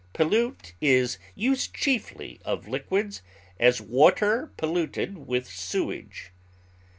Pollute is used chiefly of liquids; as, water polluted with sewage.